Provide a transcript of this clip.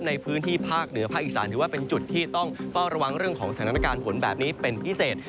ในพื้นที่ภาคเหนือภาคอีสานถือว่าเป็นจุดที่ต้องเฝ้าระวังเรื่องของสถานการณ์ฝนแบบนี้เป็นพิเศษ